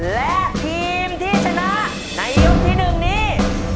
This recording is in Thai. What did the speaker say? และทีมที่ชนะในยกที่๑นี้